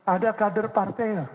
ada kader partai